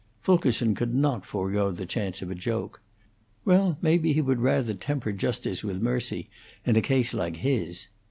Fulkerson could not forego the chance of a joke. "Well, maybe he would rather temper justice with mercy in a case like his."